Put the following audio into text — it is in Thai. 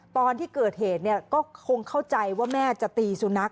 ตอนที่เกิดเหตุก็คงเข้าใจว่าแม่จะตีสุนัข